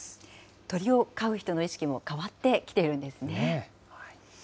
鳥を飼う人の意識も変わってきているんですね。